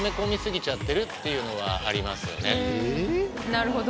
なるほど。